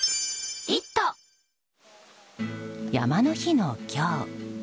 山の日の今日。